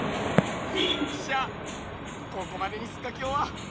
っしゃここまでにすっかきょうは。